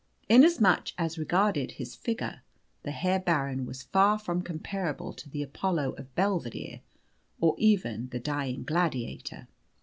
Inasmuch as regarded his figure, the Herr Baron was far from comparable to the Apollo of Belvedere, or even the Dying Gladiator.